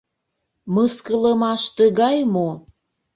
Мыскылымаш тыгай мо?